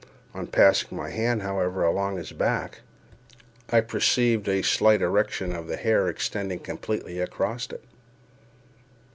On passing my hand, however, along his back, I perceived a slight erection of the hair extending completely across it.